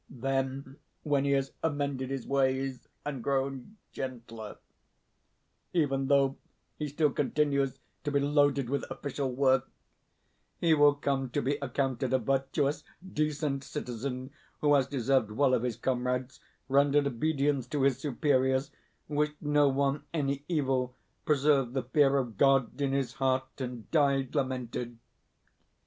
Then, when he has amended his ways, and grown gentler (even though he still continues to be loaded with official work), he will come to be accounted a virtuous, decent citizen who has deserved well of his comrades, rendered obedience to his superiors, wished no one any evil, preserved the fear of God in his heart, and died lamented.